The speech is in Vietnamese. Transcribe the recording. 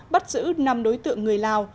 bắt giữ năm đối tượng người lào